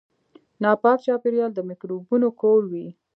ناپاک چاپیریال د میکروبونو کور وي.